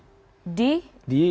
ada sembilan penyidik